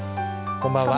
こんばんは。